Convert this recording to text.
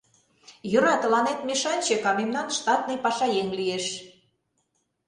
Йӧра, тыланет мешанчык, а мемнан штатный пашаеҥ лиеш.